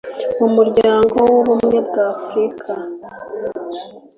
umuryango w'ubumwe bw'afurika,